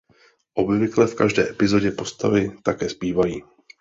Obvykle v každé epizodě postavy také zpívají.